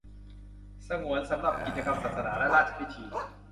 สงวนสำหรับกิจกรรมศาสนาและราชพิธี